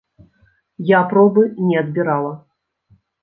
Я пробы не адбірала.